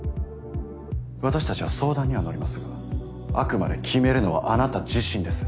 私たちは相談には乗りますがあくまで決めるのはあなた自身です。